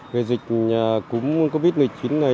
về dịch cúm covid một mươi chín này